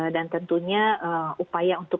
dan tentunya upaya untuk